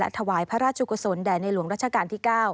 ถวายพระราชกุศลแด่ในหลวงรัชกาลที่๙